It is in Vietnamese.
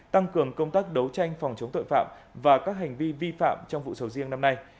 tăng cường công tác đấu tranh phòng chống tội phạm và các hành vi vi phạm trong vụ sầu riêng năm nay